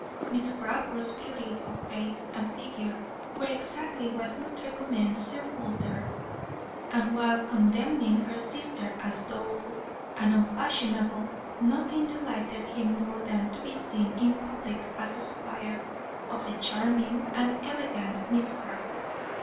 Miss Crawford's beauty of face and figure were exactly what would recommend Sir Walter; and while condemning her sister as dull and unfashionable, nothing delighted him more than to be seen in public as squire of the charming and elegant Miss Crawford.